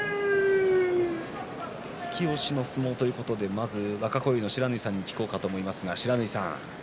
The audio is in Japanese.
突き押しの相撲ということで若荒雄の不知火さんに聞こうと思いますが不知火さん